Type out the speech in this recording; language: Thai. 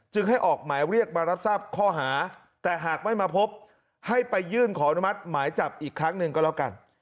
ให้ออกหมายเรียกมารับทราบข้อหาแต่หากไม่มาพบให้ไปยื่นขออนุมัติหมายจับอีกครั้งหนึ่งก็แล้วกัน